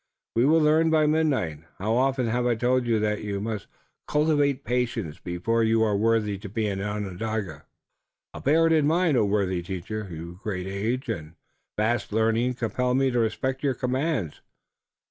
"We will learn by midnight. How often have I told you that you must cultivate patience before you are worthy to be an Onondaga?" "I'll bear it in mind, O worthy teacher. Your great age and vast learning compel me to respect your commands."